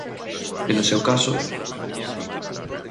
E no seu caso?